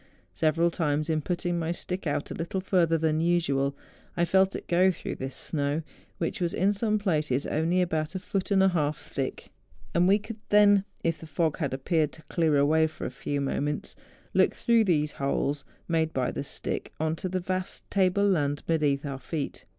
Several times, in putting my stick out a little further than usual, I felt it go through this snow, which was in some places only about a foot and a half thick ; and we could then. THE JUNGFRAU. 75 if the fog had happened to clear away for a few moments, look through these holes made by the stick on to the vast table land beneath our feet.